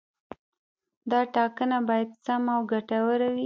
دا ټاکنه باید سمه او ګټوره وي.